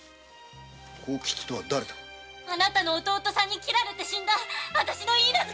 あなたの弟さんに斬られて死んだあたしの許嫁です。